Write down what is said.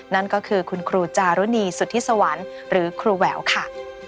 นั่นก็คือคุณครูจารุณีสุธิสวรรค์หรือครูแหววค่ะ